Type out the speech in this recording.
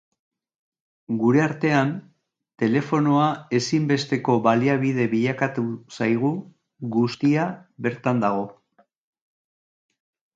Gure artean, telefonoa ezinbesteko baliabide bilakatu zaigu, guztia bertan dago.